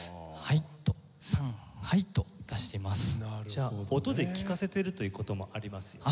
じゃあ音で聞かせてるという事もありますよね。